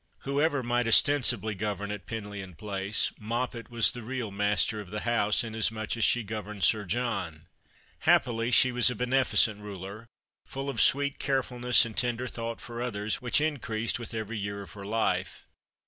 Whoever might ostensibly govern at Penlyon Place, ]\loppet was the real master of the house, inasmuch as The Christmas Hirelings. 259 she goTerned Sir John. Happily she was a beneficent ruler, full of sweet carefulness and tender thought for others, which increased with every year of her life.